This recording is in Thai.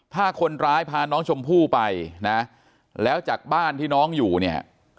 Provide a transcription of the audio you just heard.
ถ้าคนร้ายพาน้องชมพู่ไปนะแล้วจากบ้านที่น้องอยู่เนี่ย